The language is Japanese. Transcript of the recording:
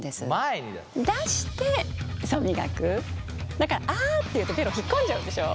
だからあって言うとベロ引っ込んじゃうでしょ？